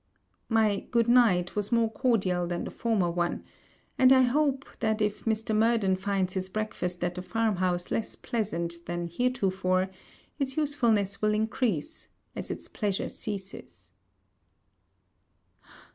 My good night was more cordial than the former one; and I hope, that, if Murden finds his breakfast at the farm house less pleasant than heretofore, its usefulness will increase, as its pleasure ceases.